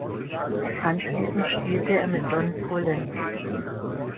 Anschließend spielte er mit Don Pullen.